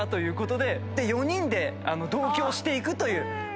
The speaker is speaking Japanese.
で４人で同居していくというお話で。